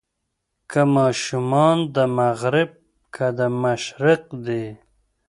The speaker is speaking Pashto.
که ماشومان د مغرب که د مشرق دي.